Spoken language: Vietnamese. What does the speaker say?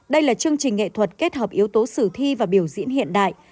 đây là chương trình nghệ thuật kết hợp yếu tố sử thi và biểu diễn hiện đại